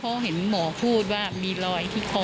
เพราะเห็นหมอพูดว่ามีรอยที่คอ